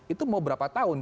itu mau berapa tahun